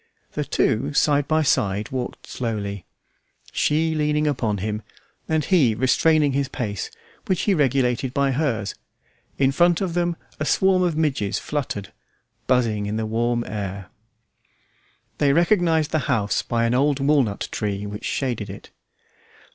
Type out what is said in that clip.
The two, side by side walked slowly, she leaning upon him, and he restraining his pace, which he regulated by hers; in front of them a swarm of midges fluttered, buzzing in the warm air. They recognized the house by an old walnut tree which shaded it.